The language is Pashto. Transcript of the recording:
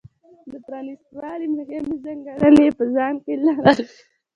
د پرانېست والي مهمې ځانګړنې یې په ځان کې لرلې.